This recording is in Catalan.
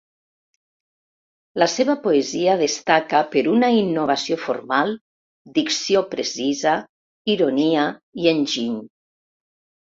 La seva poesia destaca per una innovació formal, dicció precisa, ironia i enginy.